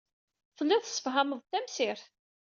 Telliḍ tessefhameḍ-d tamsirt.